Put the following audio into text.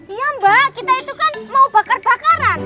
iya mbak kita itu kan mau bakar bakaran